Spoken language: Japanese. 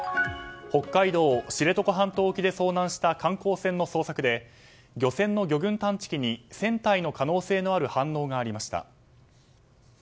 北海道知床半島沖で遭難した観光船の捜索で漁船の魚群探知機に船体の可能性のある反応がありました。